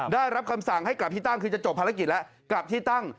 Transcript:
ได้รับคำสั่งให้กลับที่ตั้งคือจะจบภารกิจแล้วกลับที่ตั้ง